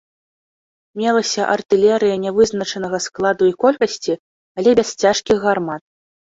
Мелася артылерыя нявызначанага складу і колькасці, але без цяжкіх гармат.